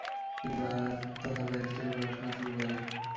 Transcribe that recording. তিনি বার তথা ব্যরিস্টারি পড়াশোনা শুরু করেন।